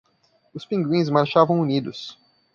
Os pinguins marchavam unidos